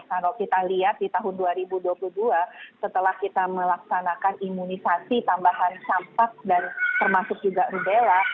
kalau kita lihat di tahun dua ribu dua puluh dua setelah kita melaksanakan imunisasi tambahan campak dan termasuk juga rubella